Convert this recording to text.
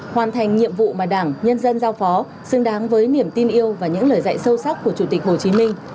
hoàn thành nhiệm vụ mà đảng nhân dân giao phó xứng đáng với niềm tin yêu và những lời dạy sâu sắc của chủ tịch hồ chí minh